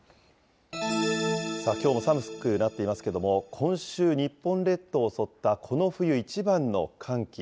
きょうも寒くなっていますけれども、今週、日本列島を襲ったこの冬一番の寒気。